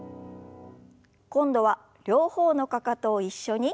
今度は両方のかかとを一緒に。